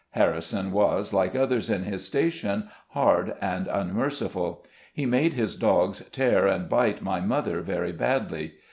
Harri son was, like others in his station, hard and unmer ciful. He made his dogs tear and bite my mother very badly.